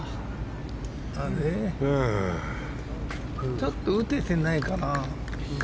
ちょっと打ててないかな。